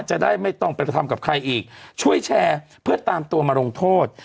จะได้ไม่ต้องไปกระทำกับใครอีกช่วยแชร์เพื่อตามตัวมาลงโทษ